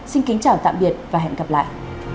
xin kính chào tạm biệt và hẹn gặp lại